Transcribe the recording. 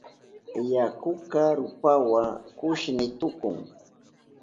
Yakuka rupawa kushni tukun.